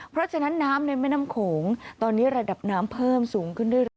เพราะฉะนั้นน้ำในแม่น้ำโขงตอนนี้ระดับน้ำเพิ่มสูงขึ้นเรื่อย